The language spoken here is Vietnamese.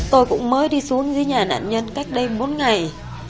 tôi cũng mới đi xuống dưới nhà nạn nhân cách đây bốn ngày